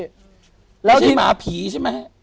มันไม่ใช่หมาผีใช่ไหม